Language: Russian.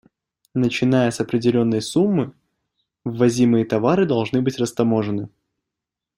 Начиная с определённой суммы, ввозимые товары должны быть растаможены.